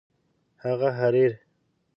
هغه حریر